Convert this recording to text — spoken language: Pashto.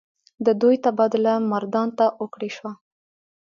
د دوي تبادله مردان ته اوکړے شوه ۔